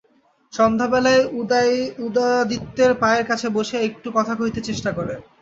সন্ধ্যাবেলায় উদয়াদিত্যের পায়ের কাছে বসিয়া একটু কথা কহিতে চেষ্টা করে।